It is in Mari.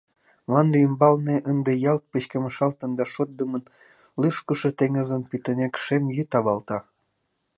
Мланде ӱмбалне ынде ялт пычкемышалтын да шотдымын лӱшкышӧ теҥызым пӱтынек шем йӱд авалта.